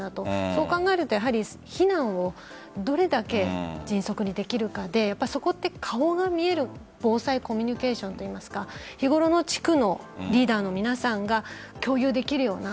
そう考えると避難をどれだけ迅速にできるかでそこは、顔が見える防災コミュニケーションといいますか日頃の地区のリーダーの皆さんが共有できるような。